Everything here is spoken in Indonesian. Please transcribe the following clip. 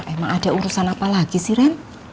emang ada urusan apa lagi sih ren